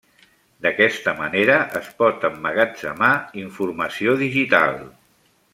D'aquesta manera es pot emmagatzemar informació digital.